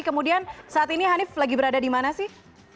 kemudian saat ini hanif lagi berada di mana sih